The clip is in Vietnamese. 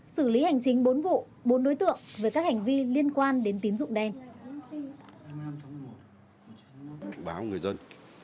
xử lý hành chính bốn vụ bốn đối tượng với các hành vi liên quan đến tiến dụng đen